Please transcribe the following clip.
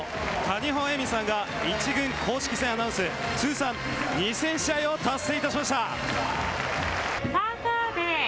谷保恵美さんが１軍公式戦アナウンス通算２０００試合を達成いたしました。